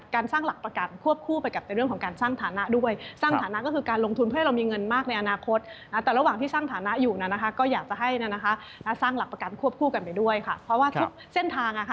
การควบคู่กันไปด้วยค่ะเพราะว่าทุกเส้นทาง